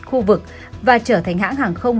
khu vực và trở thành hãng hàng không